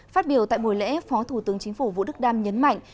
phát biểu tại buổi lễ phó thủ tướng chính phủ vũ đức đam nhấn mạnh